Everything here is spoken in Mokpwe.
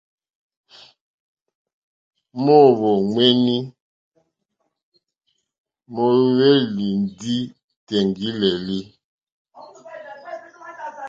Móǒhwò ŋméní móhwélì ndí tèŋɡí!lélí.